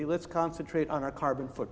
mari kita fokus pada akar karbon kita